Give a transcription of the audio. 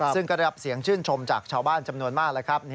ซึ่งกระดับเสียงชื่นชมจากชาวบ้านจำนวนมาก